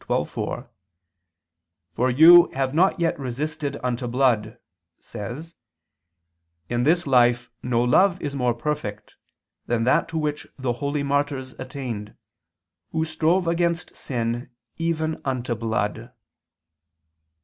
12:4, "For you have not yet resisted unto blood," says: "In this life no love is more perfect than that to which the holy martyrs attained, who strove against sin even unto blood."